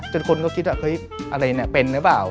คนก็คิดว่าเฮ้ยอะไรเนี่ยเป็นหรือเปล่า